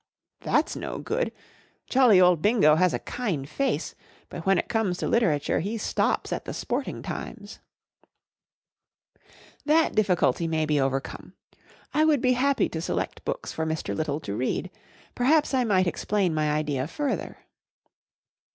" That's no good. Jolly old Bingo has a kind face, but when it comes to litera¬ ture he stops at the Sporting Ttmes/' That difficulty may be overcome. I would be happy to select books for Mr. Little to read. Perhaps I might explain mv idea further